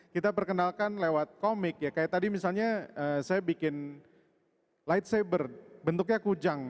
kita perkenalkan lewat komik ya kayak tadi misalnya saya bikin light cyber bentuknya kujang